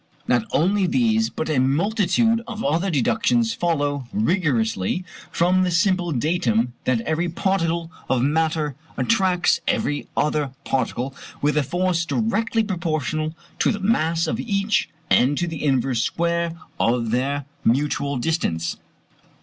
Not only these but a multitude of other deductions follow rigorously from the simple datum that every particle of matter attracts every other particle with a force directly proportional to the mass of each and to the inverse square of their mutual distance.